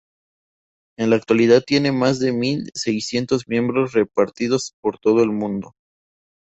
En la actualidad tiene más de mil seiscientos miembros repartidos por todo el mundo.